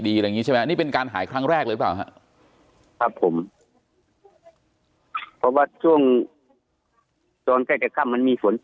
อะไรอย่างงี้ใช่ไหมนี่เป็นการหายครั้งแรกเลยเปล่าฮะ